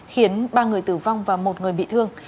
khiến ba người tử vong và một người bị thương